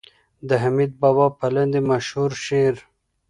د حميد بابا په لاندې مشهور شعر